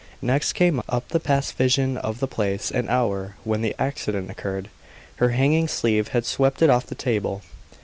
Next came up the past vision of the place and hour when the accident occurred. Her hanging sleeve had swept it off the table.